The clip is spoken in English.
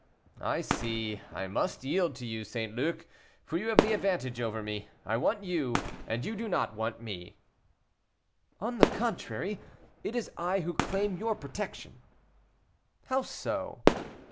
"I see, I must yield to you, St. Luc, for you have the advantage over me. I want you, and you do not want me." "On the contrary, it is I who claim your protection." "How so?"